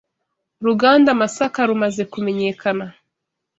Uruganda Masaka rumaze kumenyekana